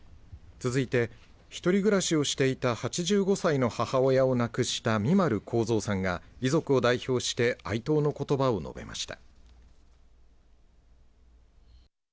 続いて、１人暮らしをしていた８５歳の母親を亡くした三丸幸三さんが遺族を代表して哀悼のことばを述べました。